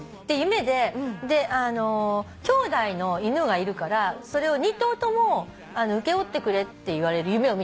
夢できょうだいの犬がいるからそれを２頭とも請け負ってくれって言われる夢を見てるわけ。